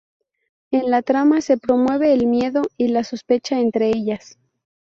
En la trama se promueve el miedo y la sospecha entre ellas.